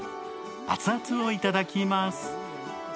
熱々をいただきます。